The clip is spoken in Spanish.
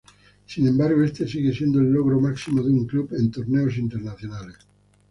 Sin embargo este sigue siendo el logro máximo de un club en torneos internacionales.